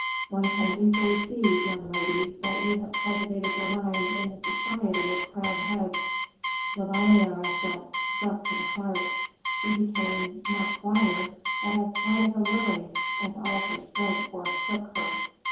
One can easily see, young lady, that you have cultivated your mind in the society of crowned heads." La Valliere felt struck to the heart; she became, not whiter, but as white as a lily, and all her strength forsook her.